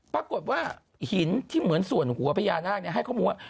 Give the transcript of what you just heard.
ปรากฏว่าหินที่เหมือนส่วนหัวพญานาคให้ข้อมูลว่า